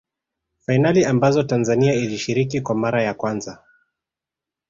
fainali ambazo tanzania ilishiriki kwa mara ya kwanza